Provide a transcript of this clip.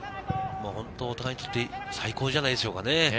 お互いにとって最高じゃないでしょうかね。